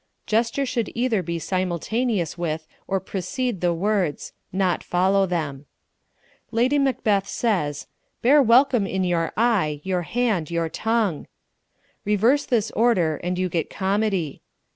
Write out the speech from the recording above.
Gesture Should either be Simultaneous with or Precede the Words not Follow Them Lady Macbeth says: "Bear welcome in your eye, your hand, your tongue." Reverse this order and you get comedy.